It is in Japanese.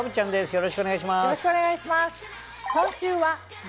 よろしくお願いします。